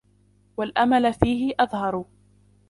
وَالْأَمَلَ فِيهِ أَظْهَرُ